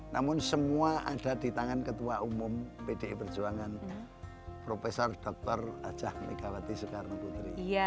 namun semua ada di tangan ketua umum pdi perjuangan prof dr ajah megawati soekarno putri